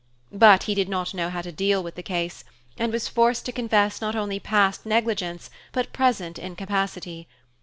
But he did not know how to deal with the case, and was forced to confess not only past negligence but present incapacity.